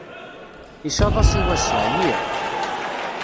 Icaṭ-as i wassa, ɛyiɣ.